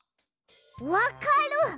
わかる！